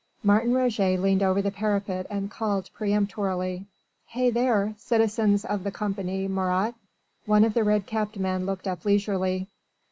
Martin Roget leaned over the parapet and called peremptorily: "Hey there! citizens of the Company Marat!" One of the red capped men looked up leisurely.